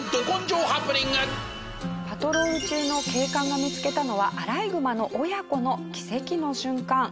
パトロール中の警官が見つけたのはアライグマの親子の奇跡の瞬間。